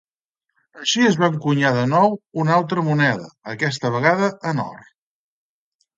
Així es va encunyar, de nou, una altra moneda, aquesta vegada en or.